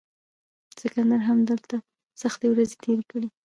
سکندر هم دلته سختې ورځې تیرې کړې